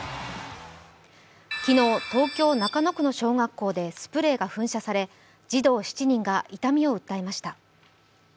昨日、東京・中野区の小学校でスプレーが噴射され、児童７人が痛みを訴えました。